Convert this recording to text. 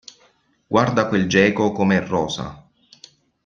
Guarda quel geco com'è rosa!